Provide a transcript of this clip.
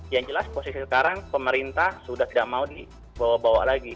yang jelas posisi sekarang pemerintah sudah tidak mau dibawa bawa lagi